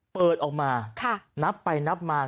เปิดออกมานับไปนับมา